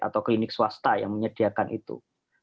atau klinik swasta yang menyediakan itu